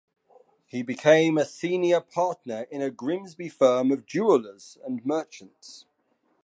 He became a senior partner in a Grimsby firm of jewellers and merchants.